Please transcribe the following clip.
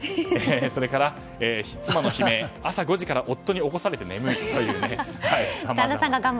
それから妻の悲鳴、朝５時から夫に起こされて眠いという。